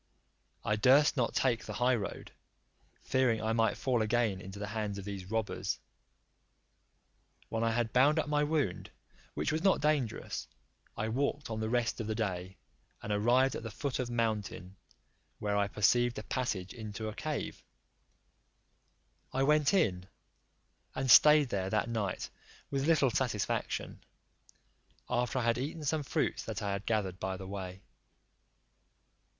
I durst not take the high road, fearing I might fall again into the hands of these robbers. When I had bound up my wound, which was not dangerous, I walked on the rest of the day, and arrived at the foot of mountain, where I perceived a passage into a cave; I went in, and staid there that night with little satisfaction, after I had eaten some fruits that I had gathered by the way.